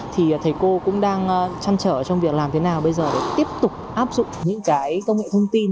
thì thầy cô cũng đang chăn trở trong việc làm thế nào bây giờ để tiếp tục áp dụng những cái công nghệ thông tin